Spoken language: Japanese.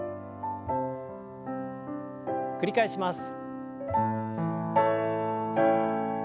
繰り返します。